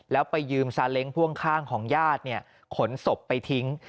แล้วไปยืมซาเล้งพ่วงข้างของญาติขนศพไปทิ้ง